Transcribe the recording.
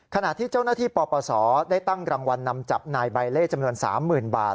ขณะที่เจ้าหน้าที่ปปศได้ตั้งรางวัลนำจับนายใบเล่จำนวน๓๐๐๐บาท